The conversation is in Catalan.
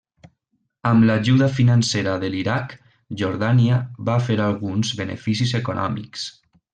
Amb l'ajuda financera de l'Iraq, Jordània va fer alguns beneficis econòmics.